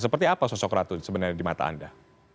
seperti apa sosok ratu sebenarnya di mata anda